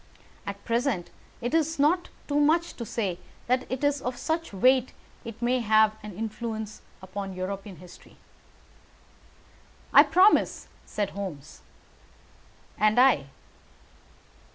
At present it is not too much to say that it is of such weight that it may have an influence upon European history." "I promise," said Holmes. "And I."